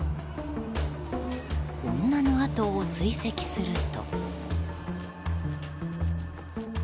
女のあとを追跡すると。